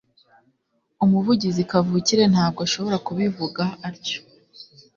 Umuvugizi kavukire ntabwo ashobora kubivuga atyo